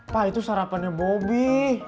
pa itu sarapannya bobby